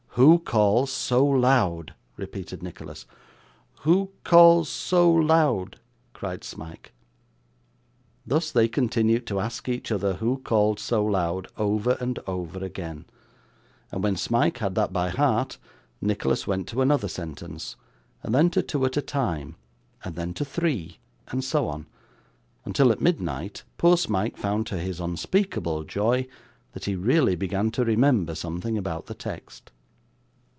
'"Who calls so loud?"' repeated Nicholas. '"Who calls so loud?"' cried Smike. Thus they continued to ask each other who called so loud, over and over again; and when Smike had that by heart Nicholas went to another sentence, and then to two at a time, and then to three, and so on, until at midnight poor Smike found to his unspeakable joy that he really began to remember something about the text.